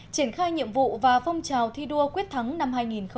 triển khai nhiệm vụ và phong trào thi đua quyết thắng năm hai nghìn một mươi chín